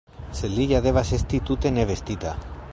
Sed li ja estas tute ne vestita!